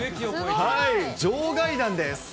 場外弾です。